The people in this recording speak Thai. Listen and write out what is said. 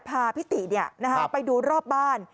พาพิติไปดูรอบบ้าน